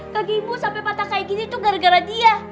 kaki ibu sampai patah kayak gini tuh gara gara dia